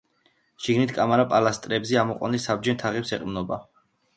შიგნით კამარა პილასტრებზე ამოყვანილ საბჯენ თაღებს ეყრდნობა.